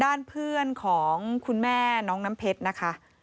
ด้านเพื่อนของคุณแม่น้องน้ำเพชรนะคะ